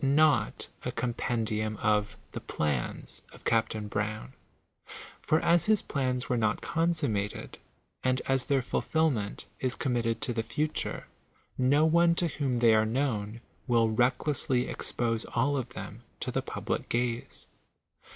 not a compendium of the " plans " of Capt. Brown ; for as his plans were opt consummated, and as their fulfilment is committed to the futnre, no one to whom they are known will recklessly expose all of them to the public gaze.